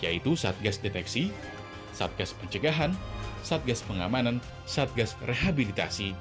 yaitu satgas deteksi satgas pencegahan satgas pengamanan satgas rehabilitasi